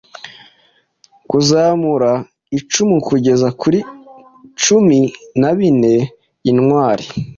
Kuzamura icumukugeza kuri cumi na bine-intwari